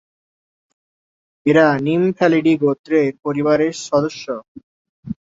এরা নিমফ্যালিডি গোত্রের পরিবারের সদস্য।।